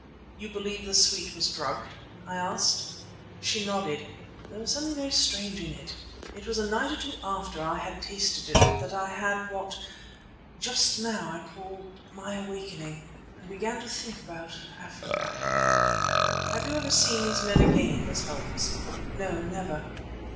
"You believe the sweet was drugged?" I asked. She nodded. "There was something very strange in it. It was a night or two after I had tasted it that I had what just now I called my awakening, and began to think about Africa." "Have you ever seen these men again, Miss Holmes?" "No, never."